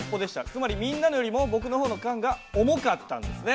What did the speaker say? つまりみんなのよりも僕の方の缶が重かったんですね。